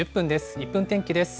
１分天気です。